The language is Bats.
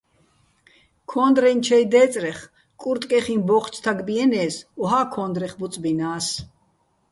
ქო́ნდრეჼ ჩაჲ დე́წრეხ კურტკეხიჼ ბო́ჴჩ თაგბიენე́ს, ოჰა́ ქო́ნდრეხ ბუწბინა́ს.